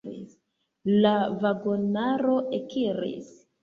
La vagonaro ekiris.